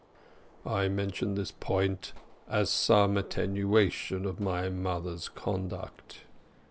I mention this point as some extenuation of my mother's conduct.